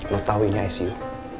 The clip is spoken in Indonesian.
lo tau ini icu